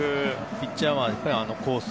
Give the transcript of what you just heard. ピッチャーはコース